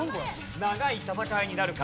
長い戦いになるか？